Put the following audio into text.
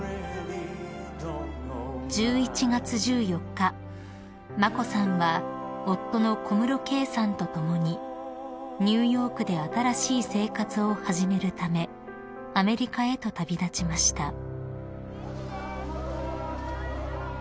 ［１１月１４日眞子さんは夫の小室圭さんと共にニューヨークで新しい生活を始めるためアメリカへと旅立ちました］